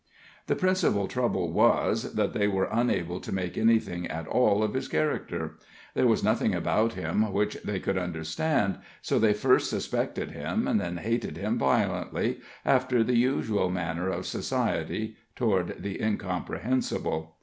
The principal trouble was, that they were unable to make anything at all of his character; there was nothing about him which they could understand, so they first suspected him, and then hated him violently, after the usual manner of society toward the incomprehensible.